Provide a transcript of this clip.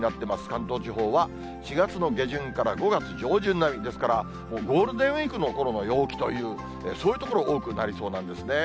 関東地方は４月の下旬から５月上旬並みですから、もうゴールデンウィークのころの陽気という、そういう所、多くなりそうなんですね。